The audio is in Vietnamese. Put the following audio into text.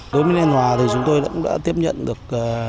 đối với nguyên hòa thì chúng tôi đã tiếp nhận được